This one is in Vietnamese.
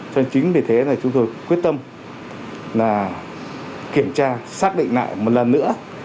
cho nên chính vì thế chúng tôi quyết tâm kiểm tra xác định lại một lần nữa